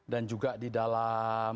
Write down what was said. dan juga di dalam